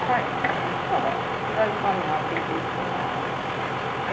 そしたらフライパンにあけていきます。